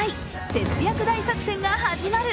節約大作戦が始まる。